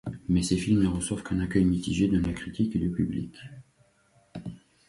Mais ces films ne reçoivent qu'un accueil mitigé de la critique et du public.